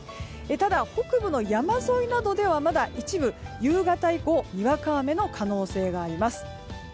ただ、北部の山沿いなどでは一部、夕方以降にわか雨の可能性があります。